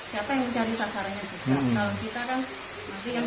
siapa yang mencari sasarannya juga